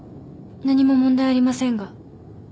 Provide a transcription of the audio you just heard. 何も問題ありませんが。